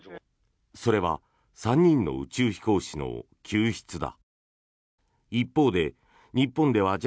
それは３人の宇宙飛行士の救出だ。